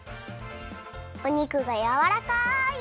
お肉がやわらかい！